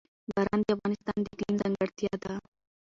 باران د افغانستان د اقلیم ځانګړتیا ده.